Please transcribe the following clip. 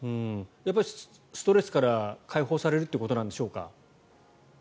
やっぱり、ストレスから解放されるということなんでしょうか。